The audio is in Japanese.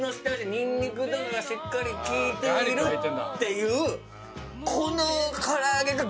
ニンニクとかがしっかり効いているという。